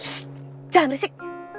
ssst jangan risik